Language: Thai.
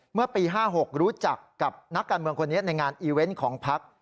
เมื่อปี๕๖รู้จักกับนักการเมืองคนนี้ในงานอีเวนต์ของพัก